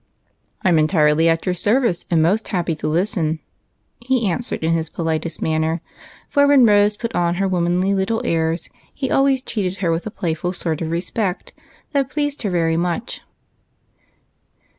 " I 'm entirely at your service, and most happy to listen," he answered, in his politest manner, for when Rose put on her womanly little airs he always treated her with a playful sort of respect that pleased her very much.